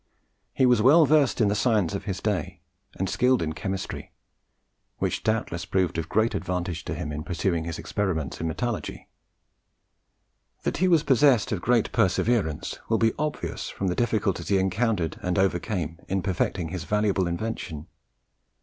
He was well versed in the science of his day, and skilled in chemistry, which doubtless proved of great advantage to him in pursuing his experiments in metallurgy. That he was possessed of great perseverance will be obvious from the difficulties he encountered and overcame in perfecting his valuable invention.